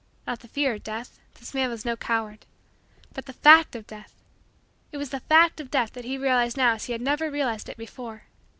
Not the fear of Death; this man was no coward. But the fact of Death it was the fact of Death that he realized now as he had never realized it before.